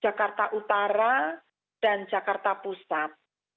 jakarta utara dan jakarta pusat